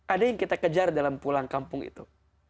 ada yang kita kejar dalam pulang kampung itu